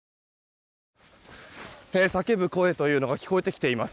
叫ぶ声というのが聞こえてきています。